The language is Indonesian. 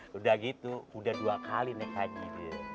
sudah gitu sudah dua kali naik haji dia